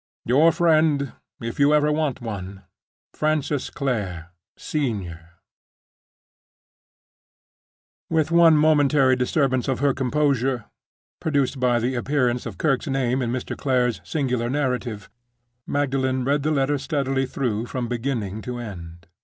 "Your friend, if you ever want one, "FRANCIS CLARE, Sen." With one momentary disturbance of her composure, produced by the appearance of Kirke's name in Mr. Clare's singular narrative, Magdalen read the letter steadily through from beginning to end.